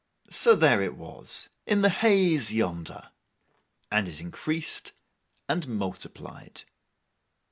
So there it was, in the haze yonder; and it increased and multiplied.